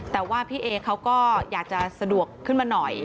แต่ว่าพี่เอเขาก็อยากจะสะดวกขึ้นมาหน่อย